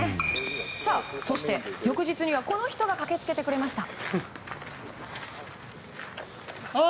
そして翌日にはこの人が駆けつけてくれました。